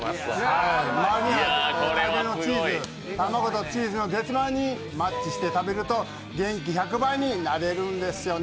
卵とチーズが絶妙にマッチして、食べると元気１００倍になれるんですね。